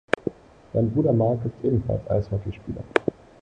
Sein Bruder Mark ist ebenfalls Eishockeyspieler.